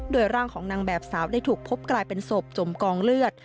โดยร่างของนางแบบสาวได้ถูกพบกลายเป็นศพจมกองเลือด